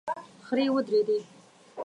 خرې ودرېدې.